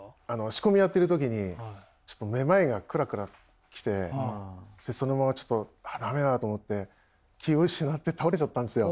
仕込みやってる時にちょっとめまいがクラクラきてそのままちょっと駄目だと思って気を失って倒れちゃったんですよ。